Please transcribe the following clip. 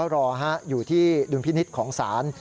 รออยู่ที่ดุลพินิษฐ์ของศาล